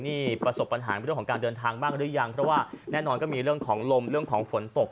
นี่ประสบปัญหาเรื่องของการเดินทางบ้างหรือยังเพราะว่าแน่นอนก็มีเรื่องของลมเรื่องของฝนตก